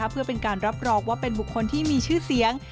เพื่อเป็นการรับรองว่าเป็นบุคคลที่มีชื่อเสียง